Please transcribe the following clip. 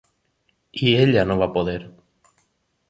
I ella no va poder.